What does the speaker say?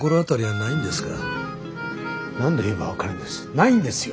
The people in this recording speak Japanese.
ないんですよ。